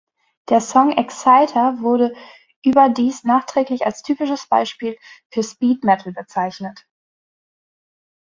Der Song "Exciter" wurde überdies nachträglich als typisches Beispiel für Speed Metal bezeichnet.